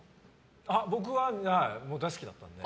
僕は好きだったんで。